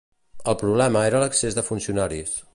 El problema era l'excés de funcionaris.